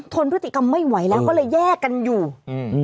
ทนพฤติกรรมไม่ไหวแล้วก็เลยแยกกันอยู่อืม